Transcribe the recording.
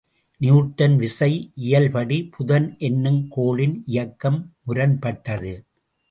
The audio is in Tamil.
நியூட்டன் விசை இயல்படி புதன் என்னும் கோளின் இயக்கம் முரண்பட்டது.